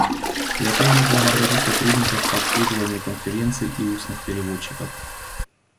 Я также благодарю сотрудников по обслуживанию конференций и устных переводчиков.